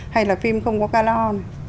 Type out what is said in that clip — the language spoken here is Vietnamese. hay là phim không có calor này